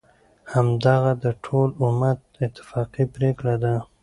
همدغه د ټول امت اتفاقی پریکړه ده،